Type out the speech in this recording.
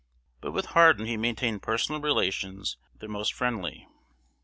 But with Hardin he maintained personal relations the most friendly.